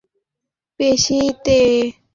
পেশীতে যেন টান না ধরে।